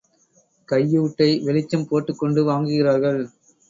கையூட்டை வெளிச்சம் போட்டுக்கொண்டு வாங்குகிறார்கள்.